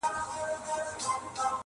له دربار له تخت و تاج څخه پردۍ سوه-